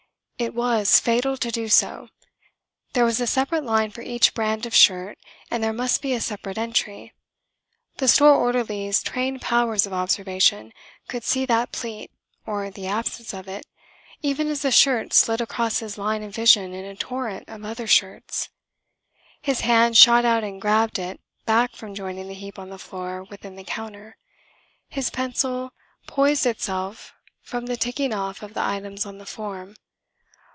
It was fatal to do so. There was a separate line for each brand of shirt and there must be a separate entry. The store orderly's trained powers of observation could see that pleat, or the absence of it, even as the shirt slid across his line of vision in a torrent of other shirts. His hand shot out and grabbed it back from joining the heap on the floor within the counter. His pencil poised itself from the ticking off of the items on the form.